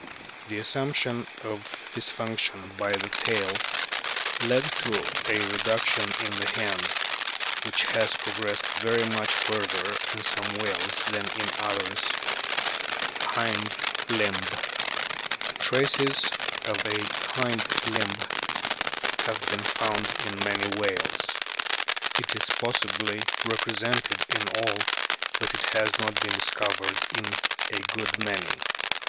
The assumption of this function by the tail led to a reduction in the hand, which has progressed very much further in some whales than in others. 24 A BOOK OP WHALES HIND LIMB Traces of a hind limb have been found in many whales ; it is possibly represented in all ; but it has not been discovered in a good many.